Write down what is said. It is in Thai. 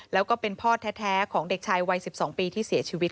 แล้วก็เป็นพ่อแท้ของเด็กชายวัย๑๒ปีที่เสียชีวิต